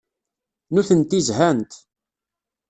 Nutenti zhant.